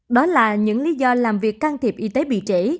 đó là những lý do làm việc can thiệp y tế bị trễ